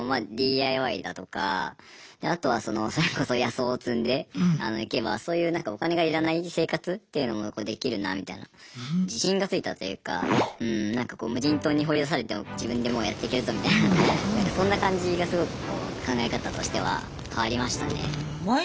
ＤＩＹだとかあとはそれこそ野草を摘んでいけばそういうお金が要らない生活っていうのもできるなみたいな自信がついたというか無人島に放り出されても自分でもうやっていけるぞみたいなそんな感じがすごくこう考え方としては変わりましたね。